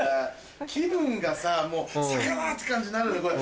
気分がさもう魚！って感じになるねこれ。